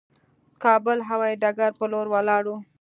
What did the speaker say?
کابل هوايي ډګر پر لور ولاړو.